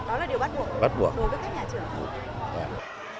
đó là điều bắt buộc bắt buộc các nhà trường